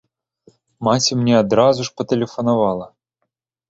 Маці мне адразу ж патэлефанавала!